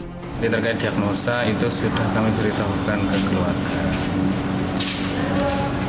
jadi terkait diagnosa itu sudah kami beritahukan ke keluarga